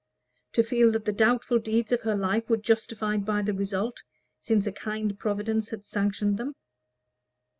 to feel that the doubtful deeds of her life were justified by the result, since a kind Providence had sanctioned them?